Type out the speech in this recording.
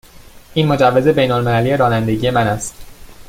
این مجوز بین المللی رانندگی من است.